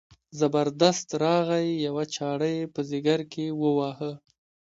زبردست راغی یوه چاړه یې په ځګر کې وواهه.